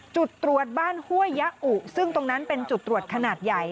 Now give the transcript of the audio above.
จุดตรวจบ้านห้วยยะอุซึ่งตรงนั้นเป็นจุดตรวจขนาดใหญ่